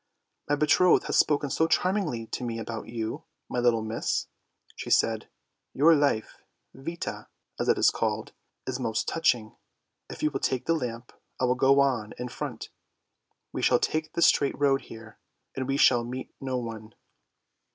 " My betrothed has spoken so charmingly to me about you, my little miss! " she said; " your life, ' Vita,' as it is called, is most touching ! If you will take the lamp, I will go on in front. We shall take the straight road here, and we shall meet no one."